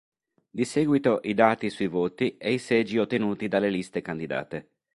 Di seguito i dati sui voti e i seggi ottenuti dalle liste candidate.